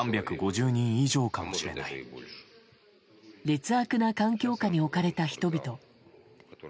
劣悪な環境下に置かれた人々。